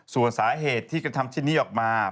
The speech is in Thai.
ส่วนสาเหตุที่กระทำชิ้นนี้ออกมา